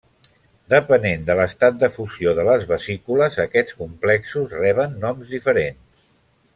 Depenent de l'estat de fusió de les vesícules, aquests complexos reben noms diferents.